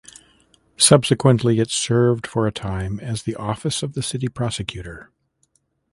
Subsequently, it served for a time as the office of the City Prosecutor.